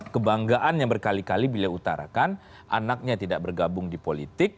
kebanggaan yang berkali kali beliau utarakan anaknya tidak bergabung di politik